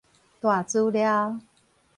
大資料